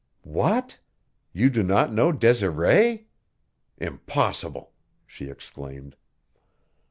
"What! You do not know Desiree! Impossible!" she exclaimed.